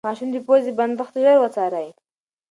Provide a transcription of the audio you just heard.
د ماشوم د پوزې بندښت ژر وڅارئ.